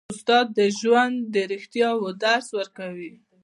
استاد د ژوند د رښتیاوو درس ورکوي.